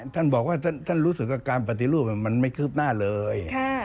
ท่านบอกว่าท่านรู้สึกว่าการปฏิรูปมันไม่คืบหน้าเลย